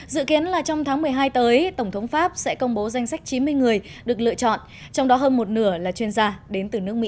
dự kiến là trong tháng một mươi hai tới tổng thống pháp sẽ công bố danh sách chín mươi người được lựa chọn trong đó hơn một nửa là chuyên gia đến từ nước mỹ